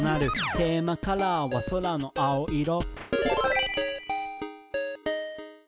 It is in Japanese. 「テーマカラーは空の青色」